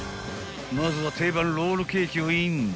［まずは定番ロールケーキをイン］